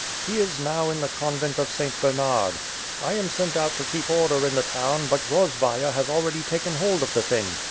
He is now in the Convent of St. Bernard. I am sent out to keep order in the town but Grozvayer has already taken hold of the thing.